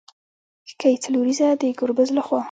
ښکې څلوريزه د ګربز له خوا